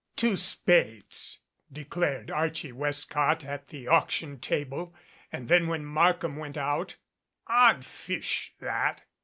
"Two spades," declared Archie Westcott at the auc tion table, and then when Markham went out, "Odd fish that."